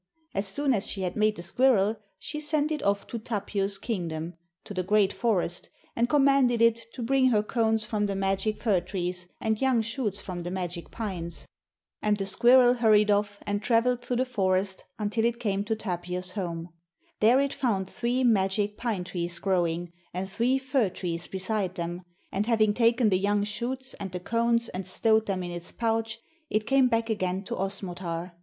As soon as she had made the squirrel, she sent it off to Tapio's kingdom, to the great forest, and commanded it to bring her cones from the magic fir trees and young shoots from the magic pines. And the squirrel hurried off and travelled through the forest until it came to Tapio's home. There it found three magic pine trees growing, and three fir trees beside them, and having taken the young shoots and the cones and stowed them in its pouch, it came back again to Osmotar.